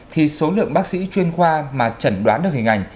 thì số lượng bác sĩ chuyên khoa mà chẩn đoán được hình ảnh